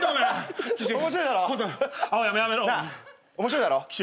なあ面白いだろ。